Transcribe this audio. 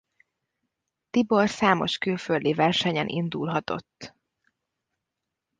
Tibor számos külföldi versenyen indulhatott.